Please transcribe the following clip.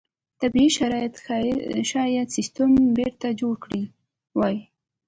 طبیعي شرایط شاید سیستم بېرته جوړ کړی وای.